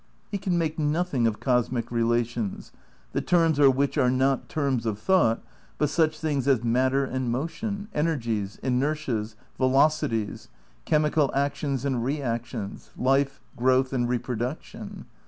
He can make nothing of cosmic relations, the terms of which are not terms of thought but such things as matter and motion, energies, inertias, velocities; chemical actions and re actions ; life, growth and reproduction.